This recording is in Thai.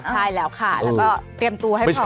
ใช่แล้วค่ะแล้วก็เตรียมตัวให้พอ